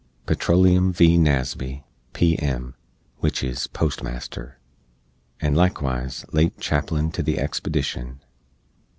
PETROLEUM V. NASBY, P.M. (wich is Postmaster), and likewise late Chaplain to the expedishn.